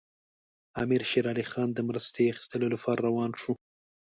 امیر شېر علي خان د مرستې اخیستلو لپاره روان شو.